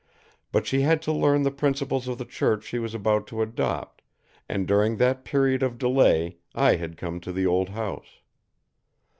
But she had to learn the principles of the Church she was about to adopt, and during that period of delay I had come to the old house.